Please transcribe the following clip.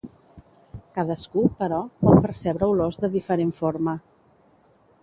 Cadascú, però, pot percebre olors de diferent forma.